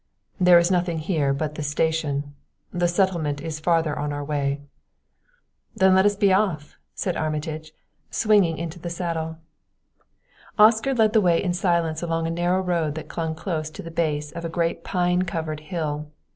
"There is nothing here but the station; the settlement is farther on our way." "Then let us be off," said Armitage, swinging into the saddle. Oscar led the way in silence along a narrow road that clung close to the base of a great pine covered hill.